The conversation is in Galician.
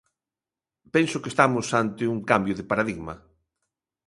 Penso que estamos ante un cambio de paradigma.